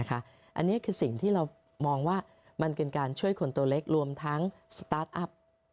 อันนี้คือสิ่งที่เรามองว่ามันเป็นการช่วยคนตัวเล็กรวมทั้งสตาร์ทอัพ